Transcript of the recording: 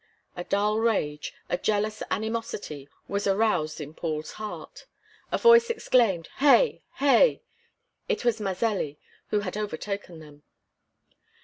A dull rage, a jealous animosity, was aroused in Paul's heart. A voice exclaimed: "Hey! hey!" It was Mazelli, who had overtaken them.